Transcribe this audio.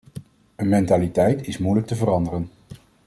Een mentaliteit is moeilijk te veranderen.